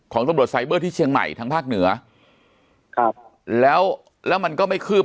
ตำรวจไซเบอร์ที่เชียงใหม่ทางภาคเหนือครับแล้วแล้วมันก็ไม่คืบ